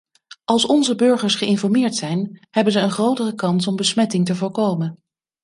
Als onze burgers geïnformeerd zijn, hebben ze een grotere kans om besmetting te voorkomen.